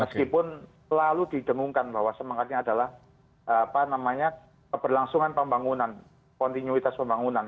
meskipun selalu didengungkan bahwa semangatnya adalah keberlangsungan pembangunan kontinuitas pembangunan